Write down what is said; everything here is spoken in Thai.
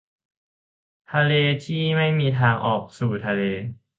ทะเลที่ไม่มีทางออกสู่ทะเล